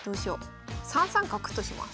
３三角とします。